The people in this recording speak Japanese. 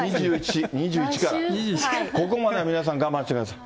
２１から、ここまでは皆さん我慢してください。